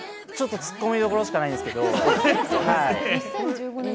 突っ込みどころしかないんですけど。